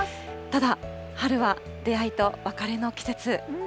ただ、春は出会いと別れの季節。